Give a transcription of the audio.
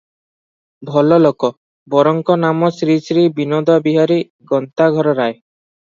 ଭଲଲୋକ- ବରଙ୍କ ନାମ ଶ୍ରୀ ଶ୍ରୀ ବିନୋଦବିହାରୀ ଗନ୍ତାଘରରାୟ ।